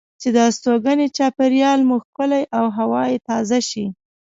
چې د استوګنې چاپیریال مو ښکلی او هوا یې تازه شي.